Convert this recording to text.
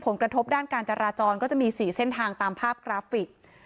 ผลกระทบด้านการจราจรก็จะมี๔เส้นทางตามภาพกราฟิก